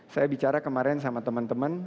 saya bicara kemarin sama teman teman